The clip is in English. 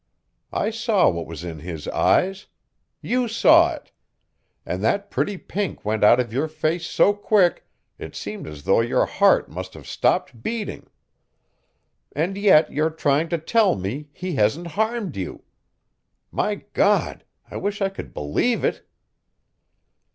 I saw what was in his eyes. YOU saw it and that pretty pink went out of your face so quick it seemed as though your heart must have stopped beating. And yet you're trying to tell me he hasn't harmed you. My God I wish I could believe it!"